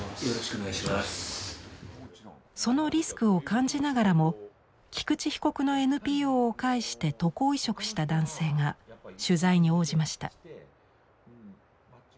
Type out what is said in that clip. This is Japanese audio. そのリスクを感じながらも菊池被告のＮＰＯを介して渡航移植した男性が取材に応じました。